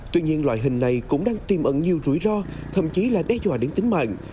tuy nhiên loại hình này cũng đang tìm ẩn nhiều rủi ro thậm chí là đe dọa đến tính mạng